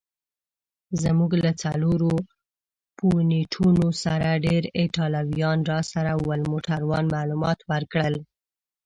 زموږ له څلورو یونیټونو سره ډېر ایټالویان راسره ول. موټروان معلومات ورکړل.